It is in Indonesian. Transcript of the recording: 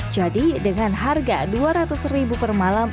dengan harga dua ratus ribu per malam